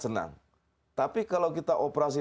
senang tapi kalau kita operasi